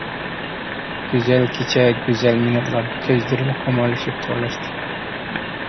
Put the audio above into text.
گۈزەل كېچە، گۈزەل مىنۇتلار. كۆزلىرىم خۇمارلىشىپ، تورلاشتى.